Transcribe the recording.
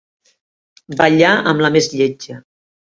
Ballar amb la més lletja.